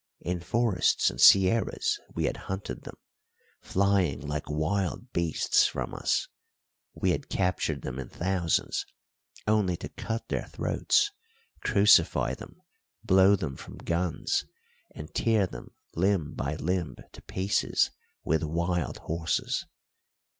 In forests and sierras we had hunted them, flying like wild beasts from us; we had captured them in thousands, only to cut their throats, crucify them, blow them from guns, and tear them limb by limb to pieces with wild horses.